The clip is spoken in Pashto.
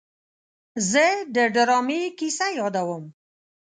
زه د ډرامې کیسه یادوم.